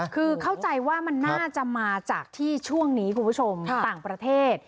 คือเข้าใจว่ามันน่าจะมาจากที่ช่วงนี้คุณผู้ชมต่างประเทศ